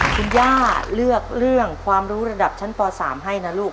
คุณย่าเลือกเรื่องความรู้ระดับชั้นป๓ให้นะลูก